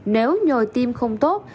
nếu nhồi tim không tốt